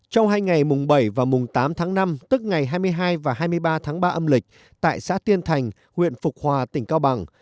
trong hai ngày mùng bảy và mùng tám tháng năm tức ngày hai mươi hai và hai mươi ba tháng ba âm lịch tại xã tiên thành huyện phục hòa tỉnh cao bằng